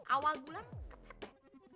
awal bulan kepepet